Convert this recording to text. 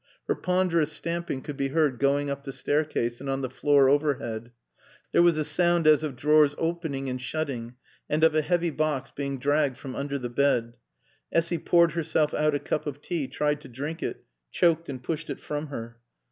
Her ponderous stamping could be heard going up the staircase and on the floor overhead. There was a sound as of drawers opening and shutting and of a heavy box being dragged from under the bed. Essy poured herself out a cup of tea, tried to drink it, choked and pushed it from her.